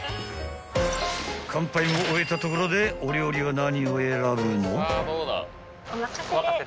［乾杯を終えたところでお料理は何を選ぶの？］